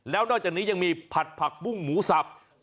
แล้วนอกจากนี้ยังมีผัดผักบุ้งหมูสับ